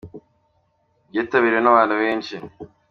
Byitabiriwe nabantu benshi